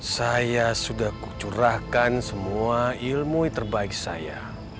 saya sudah curahkan semua ilmu terbaik saya